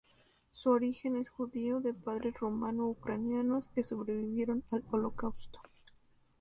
Su origen es judío de padres rumano-ucranianos que sobrevivieron al Holocausto.